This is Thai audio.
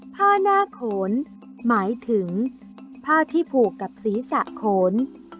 ผ้าหน้าโขนหมายถึงผ้าที่ผูกกับศีรษะโขน